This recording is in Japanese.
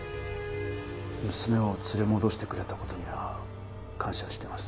娘を連れ戻してくれた事には感謝してます。